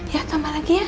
ya tambah lagi ya